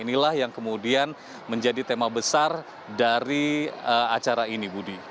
inilah yang kemudian menjadi tema besar dari acara ini budi